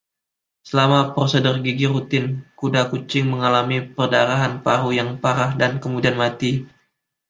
Selama prosedur gigi rutin, kedua kucing mengalami perdarahan paru yang parah dan kemudian mati.